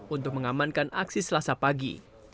untuk mengamankan aksi selasa pagi